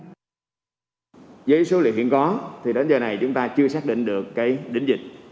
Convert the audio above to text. với số liệu hiện có thì đến giờ này chúng ta chưa xác định được cái đỉnh dịch